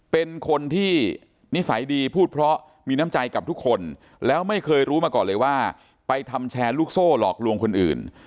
เป็นคนที่นิสัยดีพูดเพราะมีน้ำใจกับทุกคนแล้วไม่เคยรู้มาก่อนเลยว่าไปทำแชร์ลูกโซ่หลอกลวงคนอื่น